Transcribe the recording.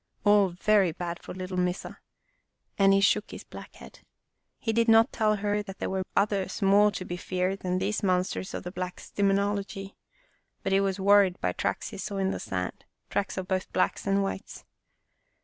All very bad for little Missa," and he shook his black head. He did not tell her there were others more to be feared than these monsters of the Blacks' demonology, but he was worried by tracks he saw in the sand, tracks of both Blacks and Whites.